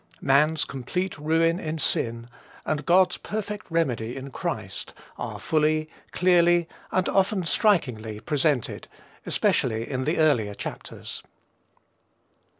Man's complete ruin in sin, and God's perfect remedy in Christ, are fully, clearly, and often strikingly, presented, especially in the earlier chapters.